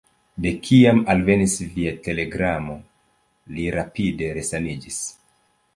De kiam alvenis via telegramo, li rapide resaniĝis.